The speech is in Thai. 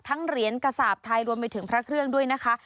เหรียญกระสาปไทยรวมไปถึงพระเครื่องด้วยนะคะ